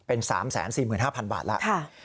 เป็น๓๔๕๐๐บาทแล้ว